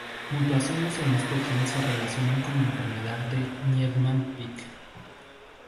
Mutaciones en este gen se relacionan con la enfermedad de Niemann-Pick.